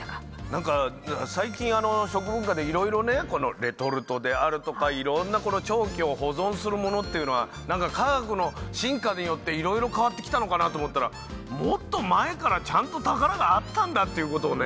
なんか最近食文化でいろいろねレトルトであるとかいろんな長期保存するものっていうのは科学の進化によっていろいろ変わってきたのかなと思ったらもっと前からちゃんと宝があったんだっていうことをね